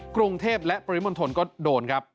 กรุงเทพและปริมณฑลก็โดนครับ